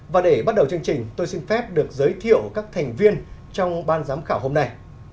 và để bắt đầu chương trình tôi xin phép được giới thiệu các thành viên trong ban giám khảo hôm nay